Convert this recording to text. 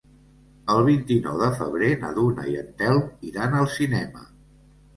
El vint-i-nou de febrer na Duna i en Telm iran al cinema.